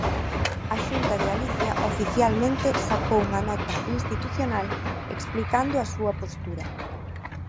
A Xunta de Galicia, oficialmente, sacou unha nota institucional explicando a súa postura.